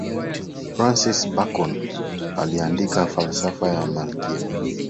francis bacon aliandika falsafa ya malkia